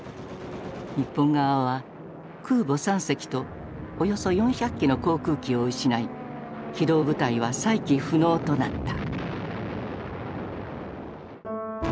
日本側は空母３隻とおよそ４００機の航空機を失い機動部隊は再起不能となった。